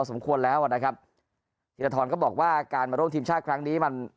สมควรแล้วอ่ะนะครับธีรทรก็บอกว่าการมาร่วมทีมชาติครั้งนี้มัน